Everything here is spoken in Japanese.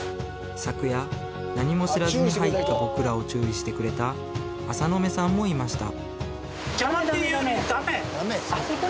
昨夜何も知らずに入った僕らを注意してくれた浅野目さんもいました